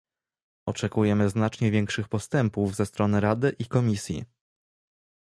Oczekujemy znacznie większych postępów ze strony Rady i Komisji